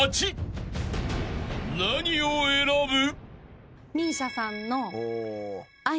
［何を選ぶ？］